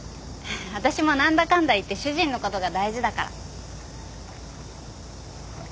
私も何だかんだいって主人のことが大事だから。